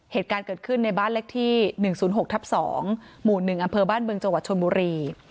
เหตุการณ์เกิดขึ้นในบ้านเลขที่๑๐๖ทับ๒หมู่๑อำเภอบ้านบึงจังหวัดชนบุรี